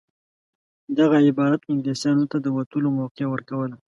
دغه عبارت انګلیسیانو ته د وتلو موقع ورکوله.